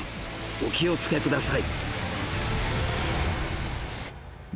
お気をつけください